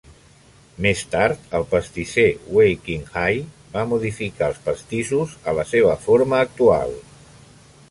Més tard, el pastisser Wei Qing-hai va modificar els pastissos a la seva forma actual.